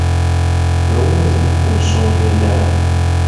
Lowooza ne ku nsonga endala.